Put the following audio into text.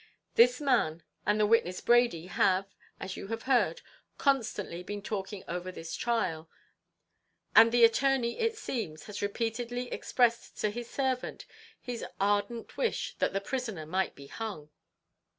This man and the witness Brady have, as you have heard, constantly been talking over this trial, and the attorney, it seems, has repeatedly expressed to his servant his ardent wish that the prisoner might be hung.